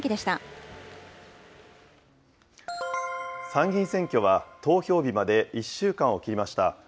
参議院選挙は、投票日まで１週間を切りました。